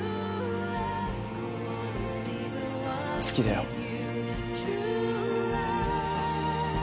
好きだよ。